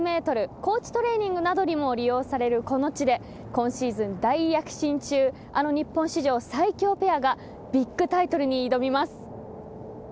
高地トレーニングなどにも利用されるこの地で今シーズン大躍進中あの日本史上最強ペアがビッグタイトルに挑みます。